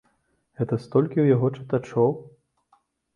Гэта столькі ў яго чытачоў?